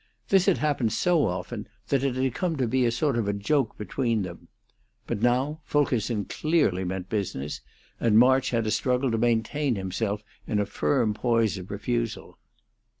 This had happened so often that it had come to be a sort of joke between them. But now Fulkerson clearly meant business, and March had a struggle to maintain himself in a firm poise of refusal.